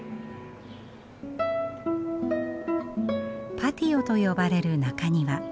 パティオと呼ばれる中庭。